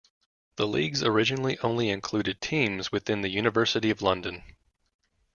The leagues originally only included teams within the University of London.